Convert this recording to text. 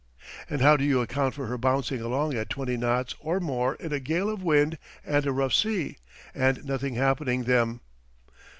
And how do you account for her bouncing along at twenty knots or more in a gale of wind and a rough sea, and nothing happening them?